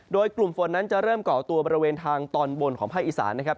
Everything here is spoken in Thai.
โดยกลุ่มฝนนั้นจะเริ่มก่อตัวบริเวณทางตอนบนของภาคอีสานนะครับ